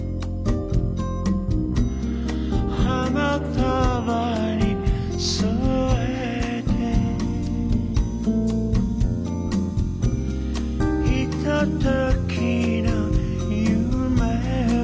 「花束に添えて」「ひとときの夢を」